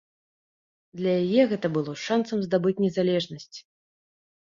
Для яе гэта было шанцам здабыць незалежнасць.